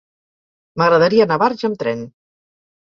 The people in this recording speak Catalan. M'agradaria anar a Barx amb tren.